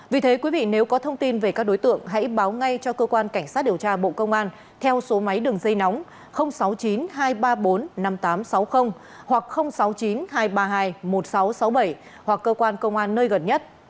vì thế quý vị nếu có thông tin về các đối tượng hãy báo ngay cho cơ quan cảnh sát điều tra bộ công an theo số máy đường dây nóng sáu mươi chín hai trăm ba mươi bốn năm nghìn tám trăm sáu mươi hoặc sáu mươi chín hai trăm ba mươi hai một nghìn sáu trăm sáu mươi bảy hoặc cơ quan công an nơi gần nhất